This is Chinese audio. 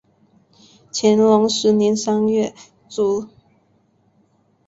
乾隆十年三月卒。